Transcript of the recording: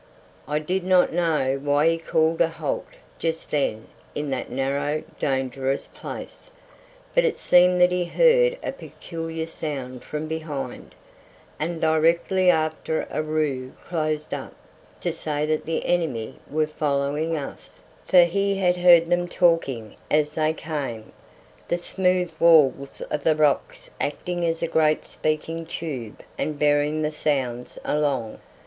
I did not know why he called a halt just then in that narrow dangerous place, but it seemed that he heard a peculiar sound from behind, and directly after Aroo closed up, to say that the enemy were following us, for he had heard them talking as they came, the smooth walls of the rocks acting as a great speaking tube and bearing the sounds along.